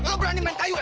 lu berani main kayu ya